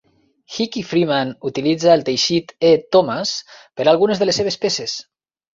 Hickey Freeman utilitza el teixit E. Thomas per a algunes de les seves peces.